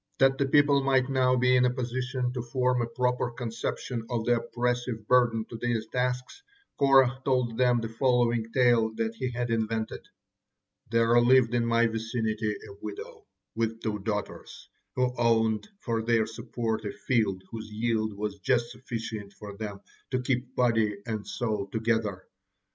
That the people might now be in a position to form a proper conception of the oppressive burden to these tasks, Korah told them the following tale that he had invented: "There lived in my vicinity a widow with two daughters, who owned for their support a field whose yield was just sufficient for them to keep body and soul together.